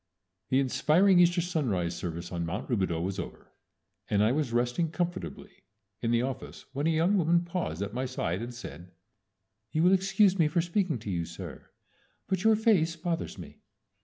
The inspiring Easter sunrise service on Mount Rubidaux was over, and I was resting comfortably in the office when a young woman paused at my side, and said, "You will excuse me for speaking to you, sir, but your face bothers me."